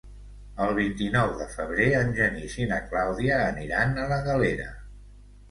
El vint-i-nou de febrer en Genís i na Clàudia aniran a la Galera.